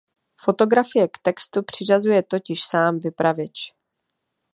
Fotografie k textu přiřazuje totiž sám vypravěč.